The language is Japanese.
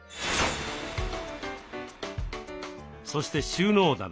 そして収納棚。